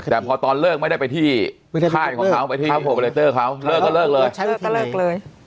แต่พอตอนเลิกไม่ได้ไปที่ค่ายของเขาไปที่ข้าวโปรแบรเตอร์เขาเลิกก็เลิกเลย